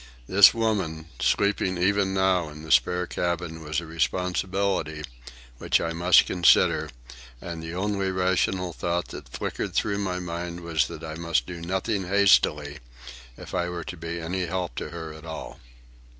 This woman, sleeping even now in the spare cabin, was a responsibility, which I must consider, and the only rational thought that flickered through my mind was that I must do nothing hastily if I were to be any help to her at all.